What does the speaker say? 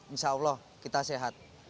insya allah kita sehat